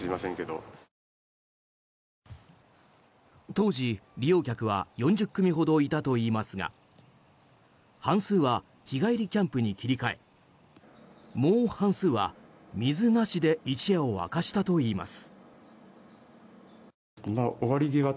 当時、利用客は４０組ほどいたといいますが半数は日帰りキャンプに切り替えもう半数は水なしで一夜を明かしたといいます。